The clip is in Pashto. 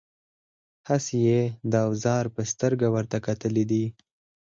هسې د اوزار په سترګه ورته کتلي دي.